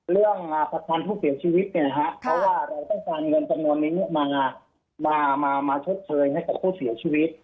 เขาว่าแต่ต้องการเงินจำนวนนี้มามามามาชดเชยให้กับผู้เสียชีวิต